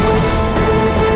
apa sih pak